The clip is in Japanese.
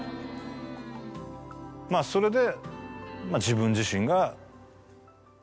まぁそれで。